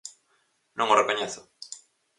Non o recoñezo.